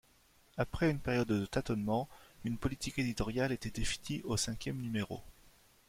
Après une période de tâtonnements, une politique éditoriale était définie au cinquième numéro.